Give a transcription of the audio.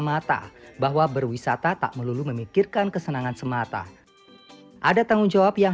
mata bahwa berwisata tak melulu memikirkan kesenangan semata ada tanggung jawab yang